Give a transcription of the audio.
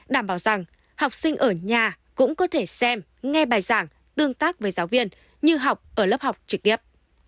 đảm bảo rằng học sinh ở nhà cũng có thể xem nghe bài giảng tương tác với giáo viên như học ở lớp học trực tiếp